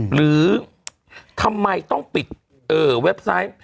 หรือทำไมต้องปิดเว็บไซต์